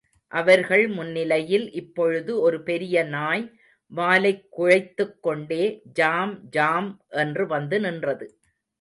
அவர்கள் முன்னிலையில் இப்பொழுது ஒரு பெரிய நாய் வாலைக் குழைத்துக் கொண்டே ஜாம் ஜாம் என்று வந்து நின்றது.